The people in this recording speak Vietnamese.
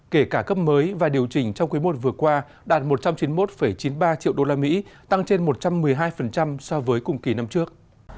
kể cả cấp mới và điều chỉnh trong quý i vừa qua đạt một trăm chín mươi một chín mươi ba triệu usd tăng trên một trăm một mươi hai so với cùng kỳ năm trước